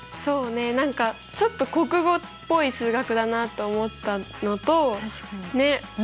そうね何かちょっと国語っぽい数学だなって思ったのと。